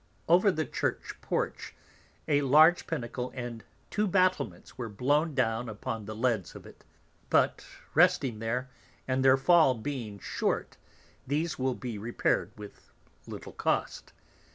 Over the Church porch, a large Pinnacle and two Battlements were blown down upon the leads of it, but resting there, and their fall being short, these will be repair'd with little Cost.